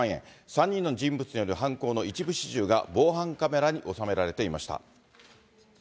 ３人の人物による犯行の一部始終が防犯カメラに収められていました。